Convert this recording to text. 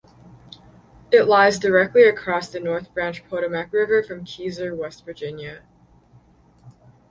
It lies directly across the North Branch Potomac River from Keyser, West Virginia.